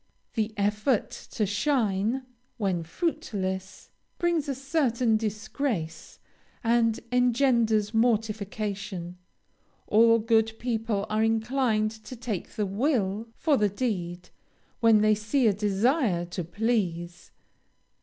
The effort to shine, when fruitless, brings a certain disgrace, and engenders mortification; all good people are inclined to take the will for the deed, when they see a desire to please.